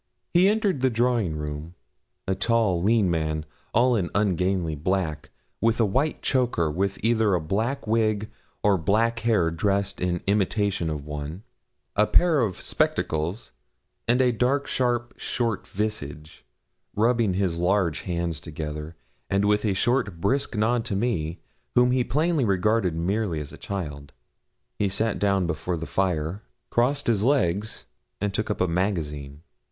He entered the drawing room a tall, lean man, all in ungainly black, with a white choker, with either a black wig, or black hair dressed in imitation of one, a pair of spectacles, and a dark, sharp, short visage, rubbing his large hands together, and with a short brisk nod to me, whom he plainly regarded merely as a child, he sat down before the fire, crossed his legs, and took up a magazine.